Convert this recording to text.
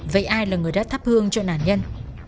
vậy ai là người đã thắp hương cho nạn nhân